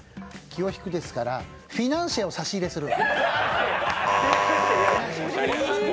気を引くですからフィナンシェを差し入れする。